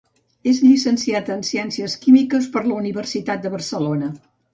És llicenciat en Ciències Químiques per la Universitat de Barcelona.